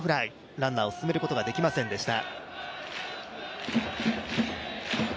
ランナーを進めることができませんでした。